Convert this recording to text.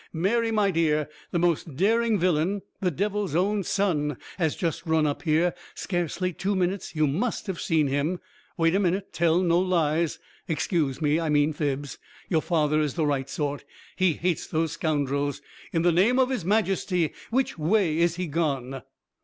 Mary, my dear, the most daring villain, the devil's own son, has just run up here scarcely two minutes you must have seen him. Wait a minute; tell no lies excuse me, I mean fibs. Your father is the right sort. He hates those scoundrels. In the name of his Majesty, which way is he gone?"